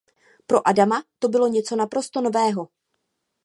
Pro Adama to bylo něco naprosto nového.